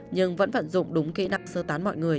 nhưng vẫn vận dụng đúng kỹ năng sơ tán mọi người